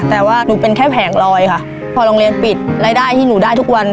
แต่ว่าหนูเป็นแค่แผงลอยค่ะพอโรงเรียนปิดรายได้ที่หนูได้ทุกวัน